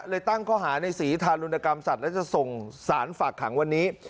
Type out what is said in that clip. เลยตั้งเขาหาในศรีธรรมรุนกรรมสัตว์และจะส่งสารฝากขังวันนี้